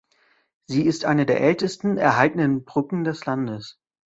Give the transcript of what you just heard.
Sie ist eine der ältesten erhaltenen Brücken des Landes.